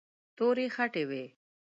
تورې خټې وې.